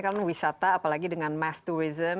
kalau biasanya kan wisata apalagi dengan mass tourism